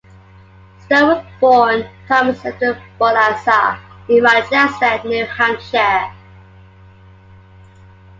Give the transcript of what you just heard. Stone was born Thomas Edward Bourassa in Manchester, New Hampshire.